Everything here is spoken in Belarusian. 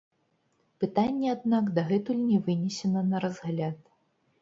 Пытанне, аднак, дагэтуль не вынесена на разгляд.